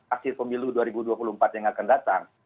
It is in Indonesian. akhir pemilu dua ribu dua puluh empat yang akan datang